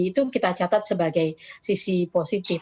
itu kita catat sebagai sisi positif